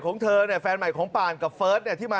ของเธอเนี่ยแฟนใหม่ของปานกับเฟิร์สเนี่ยที่มา